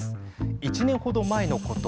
１年程前のこと。